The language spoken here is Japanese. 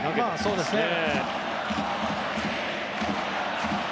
そうですね。